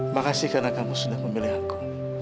makasih karena kamu sudah memilih aku